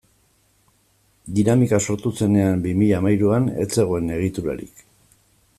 Dinamika sortu zenean, bi mila hamahiruan, ez zegoen egiturarik.